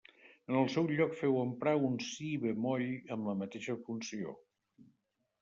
En el seu lloc feu emprar un si bemoll amb la mateixa funció.